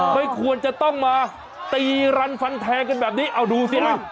ไม่ควรจะต้องมาตีรันฟันแทงกันแบบนี้เอาดูสิฮะ